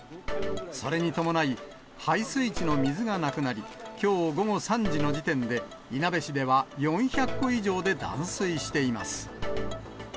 それに伴い、配水池の水がなくなり、きょう午後３時の時点で、いなべ市では４００戸以上で断水しています。